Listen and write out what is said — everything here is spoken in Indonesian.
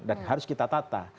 dan harus kita tata